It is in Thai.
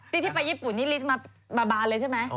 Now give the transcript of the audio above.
นี่ที่ไปญี่ปุ่นนี่ลิสต์มาบาบานเลยใช่ไหม